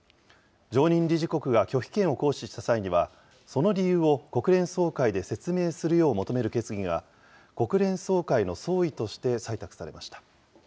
常任理事国が拒否権を行使した際には、その理由を国連総会で説明するよう求める決議が、国連総会の総意として採択されました。